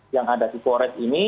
yang ada di forest ini